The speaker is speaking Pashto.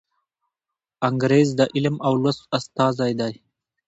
انګریز د علم او لوست استازی دی.